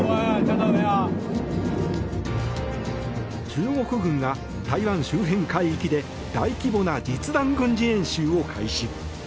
中国軍が、台湾周辺海域で大規模な実弾軍事演習を開始。